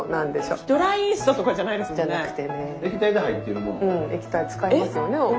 うん液体使いますよね？